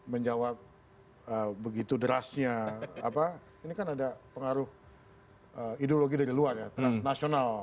menjawab begitu derasnya ini kan ada pengaruh ideologi dari luar ya transnasional